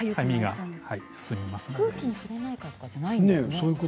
空気に触れないからじゃないんですね。